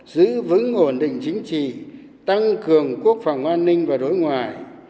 giữ vững ổn định chính trị tăng cường quốc phòng an ninh và đối ngoại